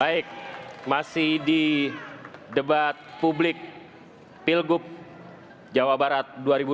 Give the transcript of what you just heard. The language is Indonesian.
baik masih di debat publik pilgub jawa barat dua ribu delapan belas